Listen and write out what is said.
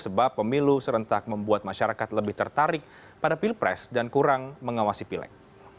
sebab pemilu serentak membuat masyarakat lebih tertarik pada pilpres dan kurang mengawasi pileg